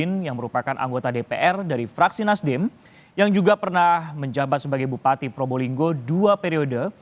yang merupakan anggota dpr dari fraksi nasdem yang juga pernah menjabat sebagai bupati probolinggo dua periode